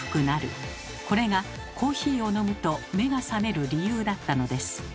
これがコーヒーを飲むと目が覚める理由だったのです。